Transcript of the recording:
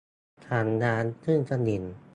ถังน้ำขึ้นสนิม